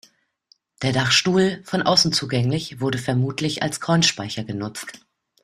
Der Dachstuhl, von außen zugänglich, wurde vermutlich als Kornspeicher genutzt.